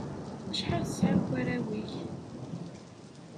Acḥal tesɛiḍ n warraw-ik?